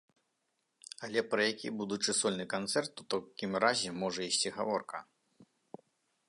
Але пра які будучы сольны канцэрт у такім разе можа ісці гаворка?